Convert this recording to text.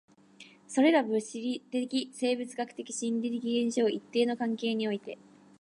それら物理的、生物学的、心理的現象を一定の関係において